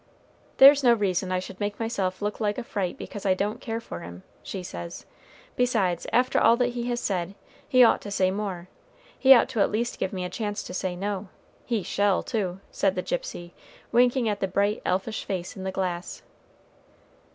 "There's no reason I should make myself look like a fright because I don't care for him," she says; "besides, after all that he has said, he ought to say more, he ought at least to give me a chance to say no, he shall, too," said the gypsy, winking at the bright, elfish face in the glass.